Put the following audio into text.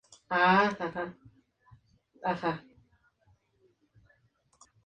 En radio produjo programas en Radio El Mundo, entre otras emisoras.